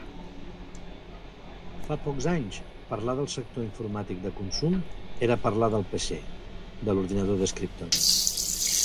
Fa pocs anys, parlar del sector informàtic de consum era parlar del PC, de l'ordinador d'escriptori.